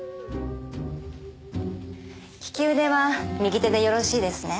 利き腕は右手でよろしいですね？